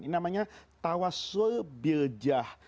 ini namanya tawassul biljah